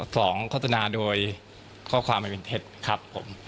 สองข้อตุนนาโดยเข้าความเป็นเท็จครับครับ